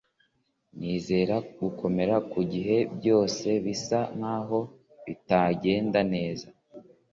nizera gukomera mugihe ibintu byose bisa nkaho bitagenda neza